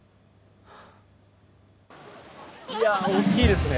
いや大っきいですね。